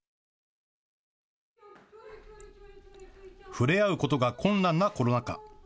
触れ合うことが困難なコロナ禍。